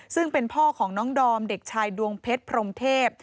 ซึ่งเป็นพ่อของน้องดอมเด็กชายดวงเพชรพรมเทพ